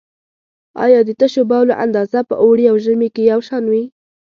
آیا د تشو بولو اندازه په اوړي او ژمي کې یو شان وي؟